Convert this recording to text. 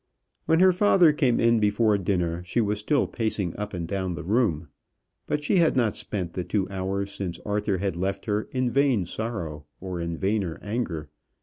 When her father came in before dinner, she was still pacing up and down the room. But she had not spent the two hours since Arthur had left her in vain sorrow or in vainer anger.